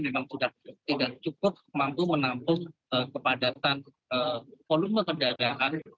memang sudah tidak cukup mampu menampung kepadatan volume kendaraan